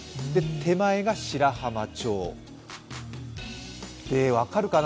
手前が白浜町、分かるかな